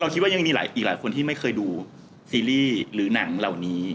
คิดว่ายังมีอีกหลายคนที่ไม่เคยดูซีรีส์หรือหนังเหล่านี้